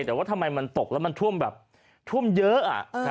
แต่ว่าทำไมมันตกแล้วมันท่วมแบบท่วมเยอะ